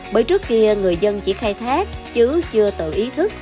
bởi trước kia người dân chỉ khai thác chứ chưa tự ý thức